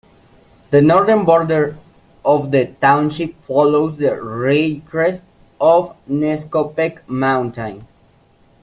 The northern border of the township follows the ridgecrest of Nescopeck Mountain.